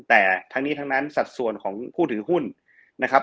แต่ทั้งนี้ทั้งนั้นสัดส่วนของผู้ถือหุ้นนะครับ